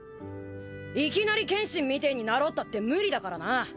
いきなり剣心みてえになろうったって無理だからな。